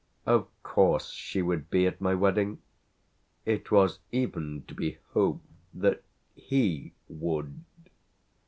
Of course she would be at my wedding? It was even to be hoped that he would.